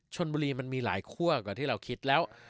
ชนบุรีมันมีหลายคั่วกว่าที่เราคิดแล้ว